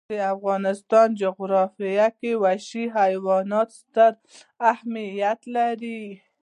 د افغانستان جغرافیه کې وحشي حیوانات ستر اهمیت لري.